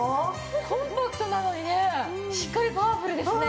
コンパクトなのにねしっかりパワフルですね。